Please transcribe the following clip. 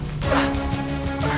dan merupakan caraiu